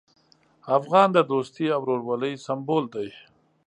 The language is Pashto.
افغان د دوستي او ورورولۍ سمبول دی.